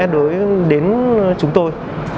đối đến chúng tôi